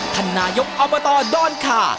ท่านนายกอบตดอนคา